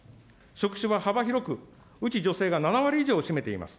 職種は幅広く、うち女性が７割以上を占めています。